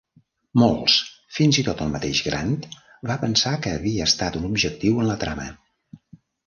Molts, fins i tot el mateix Grant, van pensar que havia estat un objectiu en la trama.